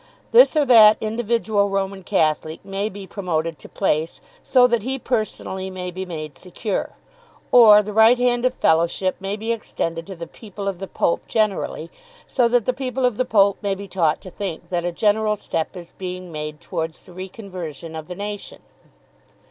This or that individual Roman Catholic may be promoted to place, so that he personally may be made secure; or the right hand of fellowship may be extended to the people of the Pope generally, so that the people of the Pope may be taught to think that a general step is being made towards the reconversion of the nation.